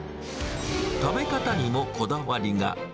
食べ方にもこだわりが。